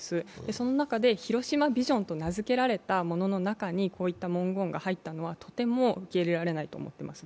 その中で広島ビジョンと名付けられたものの中にこういった文言が入ったのは、とても受け入れられないと思っています。